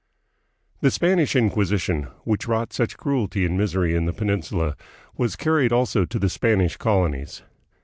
The Spanish Inquisition, which wrought such cruelty and misery in the Peninsula, was carried also to the Spanish colonies.